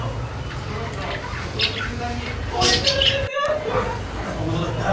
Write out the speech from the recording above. この人そこの娘さんにほれてるんですよ！